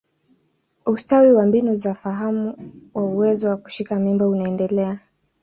Ustawi wa mbinu za ufahamu wa uwezo wa kushika mimba unaendelea.